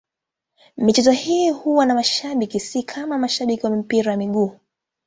Michezo hii huwa na mashabiki, si kama mashabiki wa mpira wa miguu.